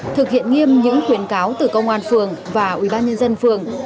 thực hiện nghiêm những khuyến cáo từ công an phường và ubnd phường